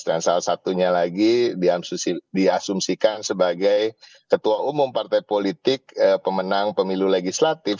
dan salah satunya lagi diasumsikan sebagai ketua umum partai politik pemenang pemilu legislatif